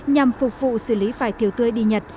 nhằm phục vụ xử lý vải thiều tươi đi nhật